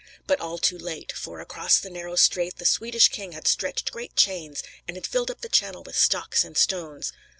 But all too late; for, across the narrow strait, the Swedish king had stretched great chains, and had filled up the channel with stocks and stones.